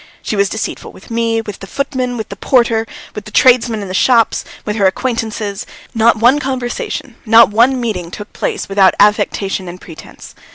She was deceitful with me, with the footman, with the porter, with the tradesmen in the shops, with her acquaintances; not one conversation, not one meeting, took place without affectation and pretence.